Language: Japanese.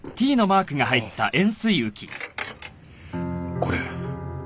これ。